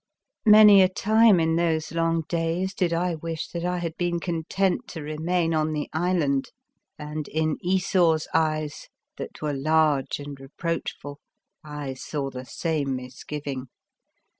Many a time in those long days did I wish that I had been con tent to remain on the island, and in Esau's eyes, that were large and re proachful, I saw the same misgiving.